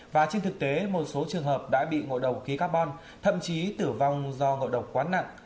và trên thực tế một số trường hợp đã bị ngộ độc khí carbon thậm chí tử vong do ngộ độc quá nặng